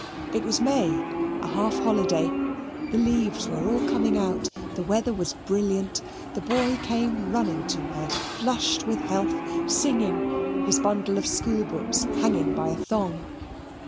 It was May, a half holiday. The leaves were all coming out, the weather was brilliant; the boy came running to her flushed with health, singing, his bundle of school books hanging by a thong.